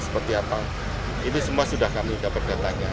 seperti apa ini semua sudah kami dapat datanya